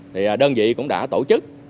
thì đơn vị cũng đã tổ chức